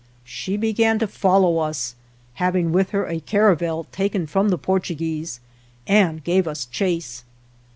She began to follow us, having with her a car avel taken from the Portuguese, and gave us chase.